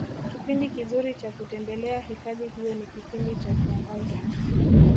kipindi kizuri Cha kutembelea hifadhi hiyo ni kipindi cha kiangazi